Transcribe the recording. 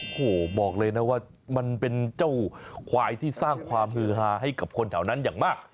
โอ้โหบอกเลยนะว่ามันเป็นเจ้าควายที่สร้างความฮือฮาให้กับคนแถวนั้นอย่างมาก